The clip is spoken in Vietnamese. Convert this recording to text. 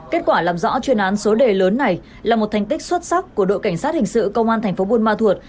kết quả làm rõ chuyên án số đề lớn này là một thành tích xuất sắc của đội cảnh sát hình sự công an thành phố buôn ma thuột